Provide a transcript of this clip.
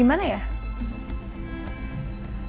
udah gak ada kesalahan